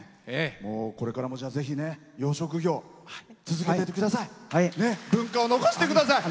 これからもぜひ養殖業続けていってください。